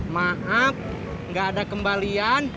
maaf nggak ada kembalian